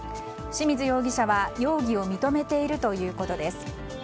清水容疑者は容疑を認めているということです。